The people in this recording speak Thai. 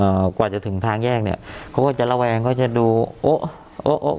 กว่าจะถึงทางแยกเนี้ยเขาก็จะระแวงเขาจะดูโอ๊ะโอ๊โอ๊